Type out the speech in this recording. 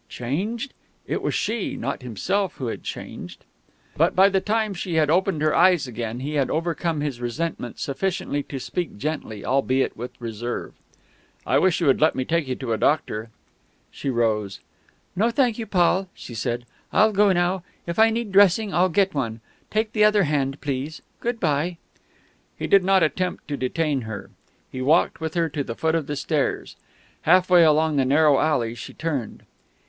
"Changed?" It was she, not himself, who had changed.... But by the time she had opened her eyes again he had overcome his resentment sufficiently to speak gently, albeit with reserve. "I wish you would let me take you to a doctor." She rose. "No, thank you, Paul," she said. "I'll go now. If I need a dressing I'll get one; take the other hand, please. Good bye " He did not attempt to detain her. He walked with her to the foot of the stairs. Half way along the narrow alley she turned.